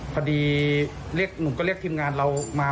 พอดีหนุ่มก็เรียกทีมงานเรามา